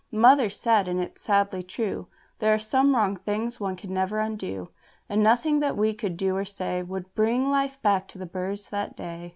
Mother said, and it's sadly true, "There are some wrong things one can never undo." And nothing that we could do or say Would bring life back to the birds that day.